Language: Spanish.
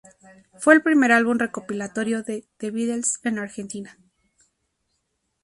Fue el primer álbum recopilatorio de The Beatles en Argentina.